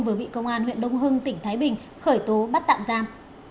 vừa bị công an huyện đông hưng tỉnh thái bình khởi tố bắt tạm giam